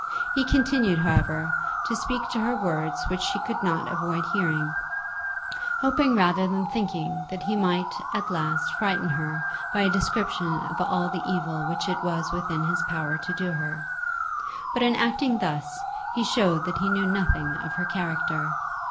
He continued, however, to speak to her words which she could not avoid hearing, hoping rather than thinking that he might at last frighten her by a description of all the evil which it was within his power to do her. But in acting thus he showed that he knew nothing of her character.